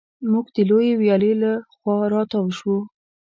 موږ د لویې ویالې له خوا را تاو شوو.